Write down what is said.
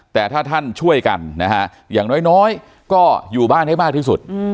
แต่ถ้าท่านช่วยกันนะฮะอย่างน้อยก็อยู่บ้านให้มากที่สุด